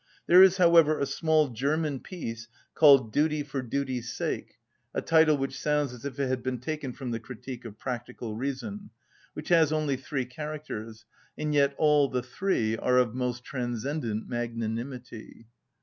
There is, however, a small German piece called "Duty for Duty's Sake" (a title which sounds as if it had been taken from the Critique of Practical Reason), which has only three characters, and yet all the three are of most transcendent magnanimity.